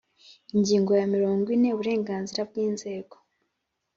Ingingo ya mirongo ine Uburenganzira bw inzego